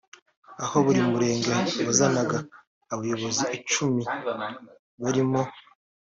aho buri Murenge wazanaga abayobozi icumi barimo